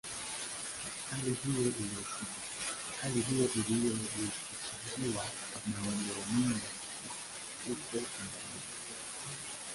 Hali hiyo ilishtukiwa na Wajerumani huko Tanganyika